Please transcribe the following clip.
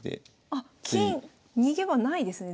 あっ金逃げ場ないですね